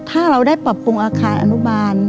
ถ้าเราได้ปรับปรุงอาคารอนุบาล